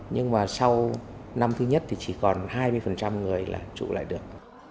nhưng mà sau năm thứ nhất thì chỉ còn hai mươi người là trụ lại được